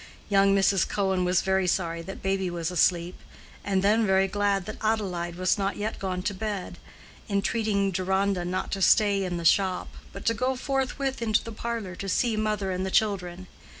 Young Mrs. Cohen was very sorry that baby was asleep, and then very glad that Adelaide was not yet gone to bed, entreating Deronda not to stay in the shop, but to go forthwith into the parlor to see "mother and the children."